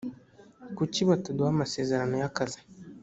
Kuki bataduha amasezerano yakazi